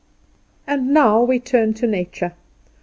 And now we turn to Nature.